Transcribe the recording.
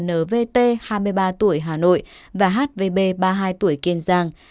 nvt hai mươi ba tuổi hà nội và hvb ba mươi hai tuổi kiên giang